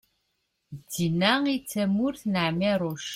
d tin-a i d tamurt n ԑmiruc